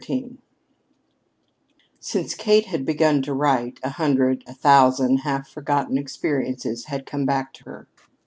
XIII Since Kate had begun to write, a hundred a thousand half forgotten experiences had come back to her.